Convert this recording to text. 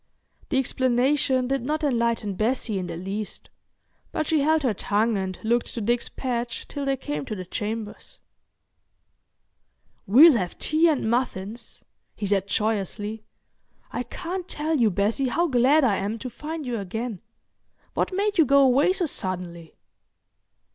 The explanation did not enlighten Bessie in the least, but she held her tongue and looked to Dick's path till they came to the chambers. "We'll have tea and muffins," he said joyously. "I can't tell you, Bessie, how glad I am to find you again. What made you go away so suddenly?"